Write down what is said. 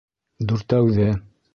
Дүртәүҙе!